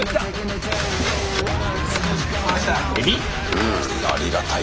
うんありがたい。